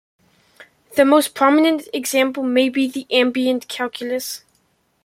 The most prominent example may be the ambient calculus.